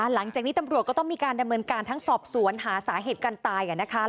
หลังจากนี้ตำรวจก็ต้องมีการดำเนินการทั้งสอบสวนหาสาเหตุการตาย